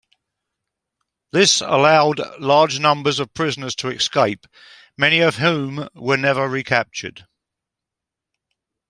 This allowed large numbers of prisoners to escape, many of whom were never recaptured.